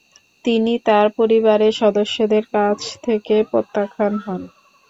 তিনি তার পরিবারের সদস্যদের কাছ থেকে প্রত্যাখ্যাত হন।